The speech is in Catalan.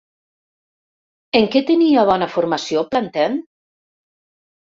En què tenia bona formació Plantin?